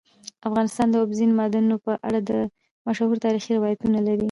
افغانستان د اوبزین معدنونه په اړه مشهور تاریخی روایتونه لري.